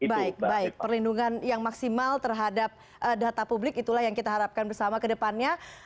baik perlindungan yang maksimal terhadap data publik itulah yang kita harapkan bersama kedepannya